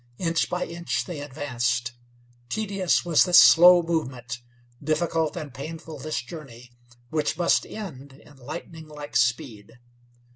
Inch by inch they advanced. Tedious was this slow movement, difficult and painful this journey which must end in lightninglike speed.